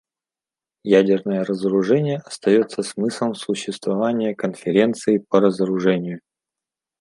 Ядерное разоружение остается смыслом существования Конференции по разоружению.